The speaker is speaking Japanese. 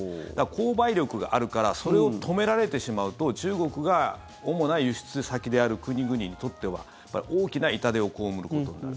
購買力があるからそれを止められてしまうと中国が主な輸出先である国々にとっては大きな痛手を被ることになる。